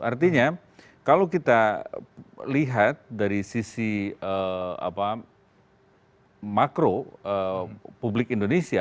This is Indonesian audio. artinya kalau kita lihat dari sisi makro publik indonesia